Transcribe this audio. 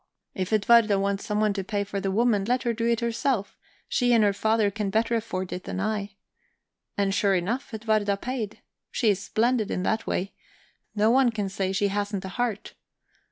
If Edwarda wants someone to pay for the woman, let her do it herself; she and her father can better afford it than I. And sure enough, Edwarda paid. She's splendid in that way no one can say she hasn't a heart.